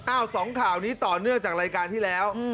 สองข่าวนี้ต่อเนื่องจากรายการที่แล้ว